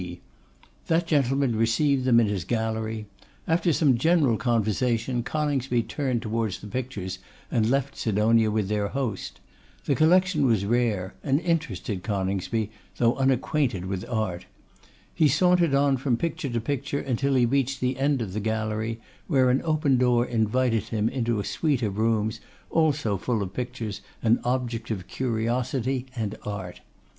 P s. That gentleman received them in his gallery. After some general conversation, Coningsby turned towards the pictures, and left Sidonia with their host. The collection was rare, and interested Coningsby, though unacquainted with art. He sauntered on from picture to picture until he reached the end of the gallery, where an open door invited him into a suite of rooms also full of pictures and objects of curiosity and art.